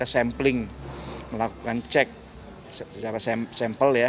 sampling melakukan cek secara sampel ya